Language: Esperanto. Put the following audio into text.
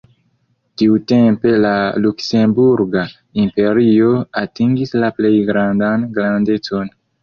Tiutempe la luksemburga imperio atingis la plej grandan grandecon.